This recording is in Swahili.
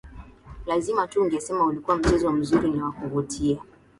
Lazima tu ungesema ulikuwa mchezo mzuri na wa kuvutia